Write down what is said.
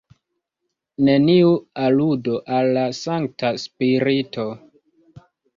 Neniu aludo al la Sankta Spirito.